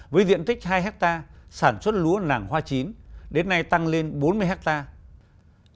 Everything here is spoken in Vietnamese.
với diện tích hai hectare sản xuất lúa nàng hoa chín đến nay tăng lên bốn mươi hectare